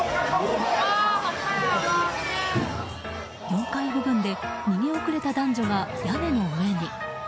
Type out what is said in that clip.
４階部分で逃げ遅れた男女が屋根の上に。